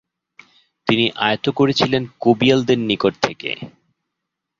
তিনি আয়ত্ত করেছিলেন কবিয়ালদের নিকট থেকে।